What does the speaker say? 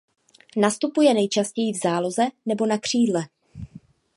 Nastupuje nejčastěji v záloze nebo na křídle.